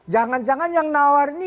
jangan jangan yang nawar ini